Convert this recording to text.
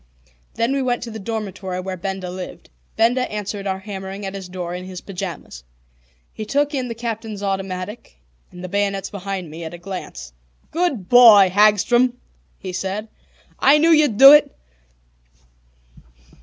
Then we went on to the dormitory where Benda lived. Benda answered our hammering at his door in his pajamas. He took in the Captain's automatic, and the bayonets behind me, at a glance. "Good boy, Hagstrom!" he said. "I knew you'd do it.